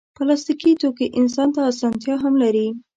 پلاستيکي توکي انسان ته اسانتیا هم لري.